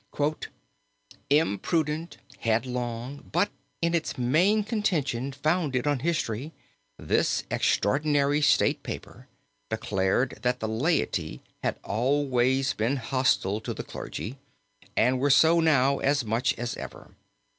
He says in part: "Imprudent, headlong, but in its main contention founded on history, this extraordinary state paper declared that the laity had always been hostile to the clergy, and were so now as much as ever.